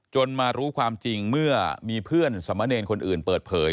มารู้ความจริงเมื่อมีเพื่อนสมเนรคนอื่นเปิดเผย